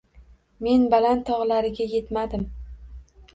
Men baland tog’lariga yetmadim.